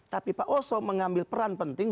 tapi pak oso mengambil peran penting